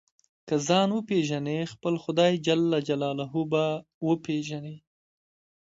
که ځان وپېژنې خپل خدای جل جلاله به وپېژنې.